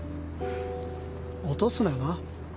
落とすなよな。